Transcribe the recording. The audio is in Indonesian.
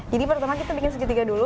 jadi pertama kita bikin segitiga dulu